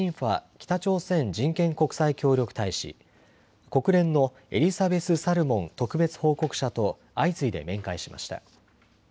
北朝鮮人権国際協力大使、国連のエリサベス・サルモン特別報告者と相次いで面会しました。